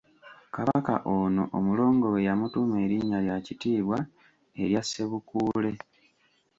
Kabaka ono Omulongo we yamutuuma erinnya lya kitiibwa erya Ssebukuule.